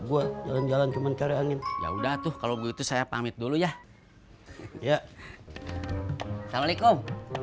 gue jalan jalan cuman cari angin ya udah tuh kalau begitu saya pamit dulu ya ya assalamualaikum